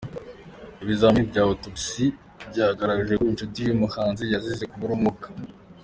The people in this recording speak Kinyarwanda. Ibizamini bya ’Autopsy’ byagaragaje ko inshuti y’uyu muhanzi yazize kubura umwuka.